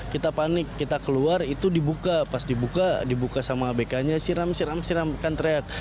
kita panik kita keluar itu dibuka pas dibuka dibuka sama abk nya siram siram siramkan teriak